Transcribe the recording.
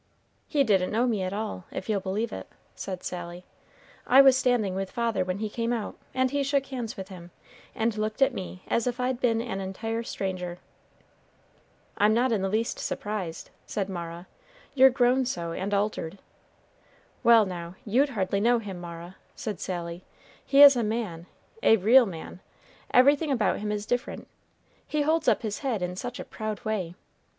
"He didn't know me at all, if you'll believe it," said Sally. "I was standing with father when he came out, and he shook hands with him, and looked at me as if I'd been an entire stranger." "I'm not in the least surprised," said Mara; "you're grown so and altered." "Well, now, you'd hardly know him, Mara," said Sally. "He is a man a real man; everything about him is different; he holds up his head in such a proud way.